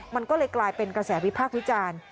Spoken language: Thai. มันก็เลยกลายเป็นกระแสวิพากษ์วิจารณ์